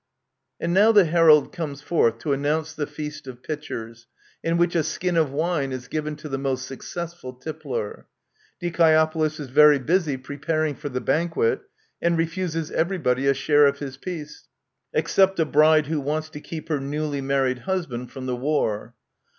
And now the Herald comes forth to announce the Feast of Pitchers, in which a skin of wine is given to the most successful tippler. Dicaeopolis is very busy preparing for the banquet, and refuses everybody a share of his peace, except a bride who wants to keep her newly married husband from the war.